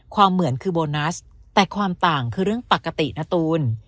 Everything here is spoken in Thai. เหมือนคือโบนัสแต่ความต่างคือเรื่องปกตินะตูน